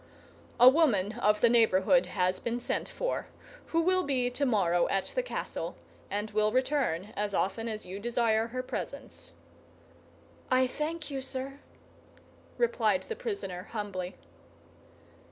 "A woman of the neighbourhood has been sent for, who will be tomorrow at the castle, and will return as often as you desire her presence." "I thank you, sir," replied the prisoner, humbly.